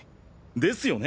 ですよね？